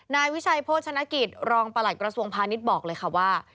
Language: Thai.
นายวิชัยโภชนาศิลป์รองปลักกระทรวงภาณิชย์บอกเลยว่า